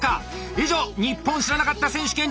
以上「ニッポン知らなかった選手権実況中！」